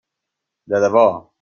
De debò.